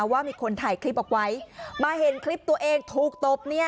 ว่ามีคนถ่ายคลิปเอาไว้มาเห็นคลิปตัวเองถูกตบเนี่ย